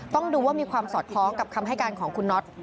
ต้องดูว่ามีความสอดคล้องกับคำให้การของคุณน็อต